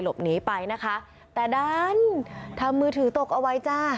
หลบหนีไปนะคะแต่ดันทำมือถือตกเอาไว้จ้า